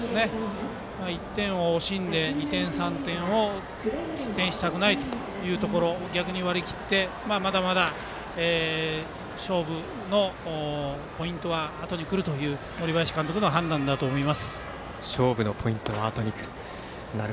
１点を惜しんで２点、３点を失点したくないというところ逆に割り切って、まだまだ勝負のポイントはあとにくるという森林監督の勝負のポイントはあとにくる。